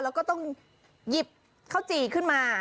แล้วก็ต้องหยิบข้าวจี่ขึ้นมา